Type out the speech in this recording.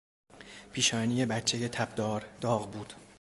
پیشانی بچهی تبدار داغ بود.